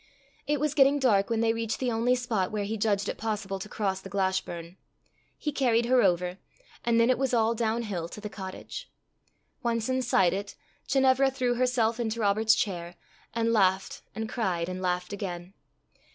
It was getting dark when they reached the only spot where he judged it possible to cross the Glashburn. He carried her over, and then it was all down hill to the cottage. Once inside it, Ginevra threw herself into Robert's chair, and laughed, and cried, and laughed again.